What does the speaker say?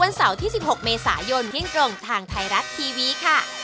เสาร์ที่๑๖เมษายนเที่ยงตรงทางไทยรัฐทีวีค่ะ